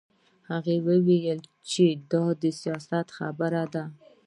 هغه وویل چې دا د سیاست خبره ده